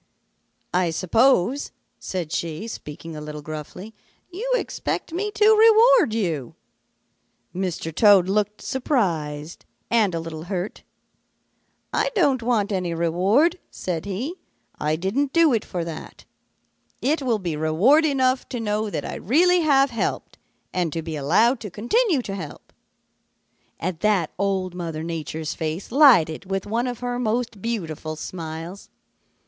"'I suppose,' said she, speaking a little gruffly, 'you expect me to reward you.' "Mr. Toad looked surprised and a little hurt. 'I don't want any reward,' said he. 'I didn't do it for that. It will be reward enough to know that I really have helped and to be allowed to continue to help.' "At that Old Mother Nature's face lighted with one of her most beautiful smiles.